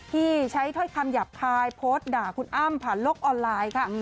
ที่ใช้ถ้อยคำหยาบคายโพสต์ด่าคุณอ้ำผ่านโลกออนไลน์ค่ะ